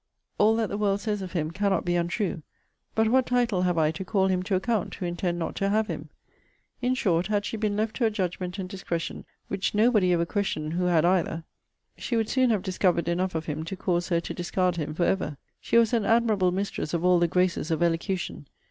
All that the world says of him cannot be untrue. But what title have I to call him to account, who intend not to have him?' In short had she been left to a judgment and discretion, which nobody ever questioned who had either, she would soon have discovered enough of him to cause her to discard him for ever. She was an admirable mistress of all the graces of elocution.